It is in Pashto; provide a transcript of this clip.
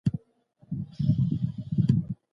باید د خپلو تجربو څخه زده کړه وکړو.